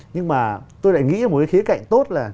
nhưng mà tôi lại nghĩ một cái khía cạnh tốt là